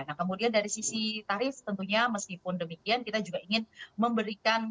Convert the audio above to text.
nah kemudian dari sisi tarif tentunya meskipun demikian kita juga ingin memberikan